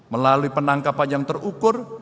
melalui penangkapan yang terukur